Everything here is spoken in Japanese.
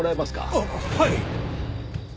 あっはい！